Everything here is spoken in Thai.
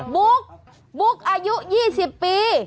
บุ๊กบุ๊กอายุ๒๐ปี